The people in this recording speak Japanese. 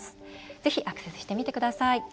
ぜひ、アクセスしてみてください。